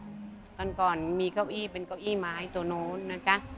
ตอนก่อนมีเก้าอี้เป็นเก้าอี้ไม้ตัวนู้นนะจ๊ะ